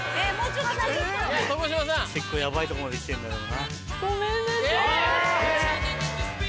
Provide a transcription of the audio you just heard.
結構ヤバいとこまできてんだろうな。